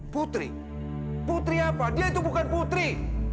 putri putri apa dia itu bukan putri